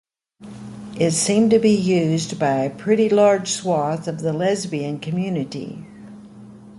It seemed to be used by a pretty large swathe of the lesbian community.